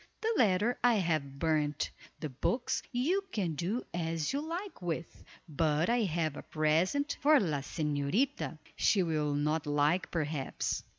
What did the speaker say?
The letter I have burned. The books you can do as you like with, but I have a present for la señorita, she will not like, perhaps."